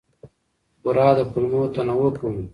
بوره د کولمو تنوع کموي.